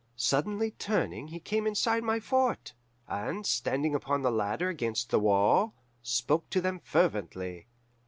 Suddenly turning he came inside my fort, and, standing upon the ladder against the wall, spoke to them fervently.